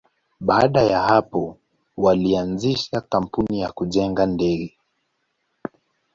Baada ya hapo, walianzisha kampuni ya kujenga ndege.